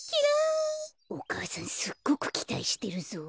こころのこえお母さんすっごくきたいしてるぞ。